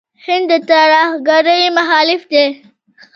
هند د ترهګرۍ مخالف دی.